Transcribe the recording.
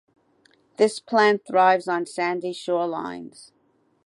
This plant thrives on sandy shorelines.